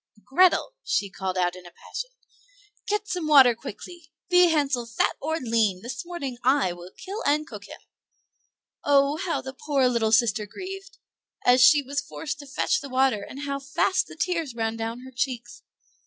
"Grethel." she called out in a passion, "get some water quickly; be Hansel fat or lean, this morning I will kill and cook him." Oh, how the poor little sister grieved, as she was forced to fetch the water, and how fast the tears ran down her cheeks!